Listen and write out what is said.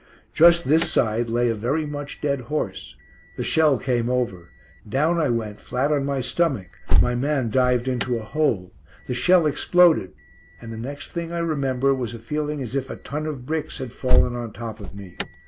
Just this side lay a very much dead horse. The shell came over. Down I went flat on my stomach. My man dived into a hole. The shell exploded, and the next thing I remember was a feeling as if a ton of bricks had fallen on top of me.